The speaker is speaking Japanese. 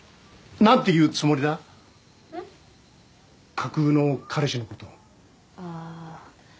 架空の彼氏のことああー